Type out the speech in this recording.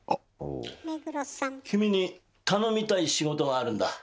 君に頼みたい仕事があるんだ。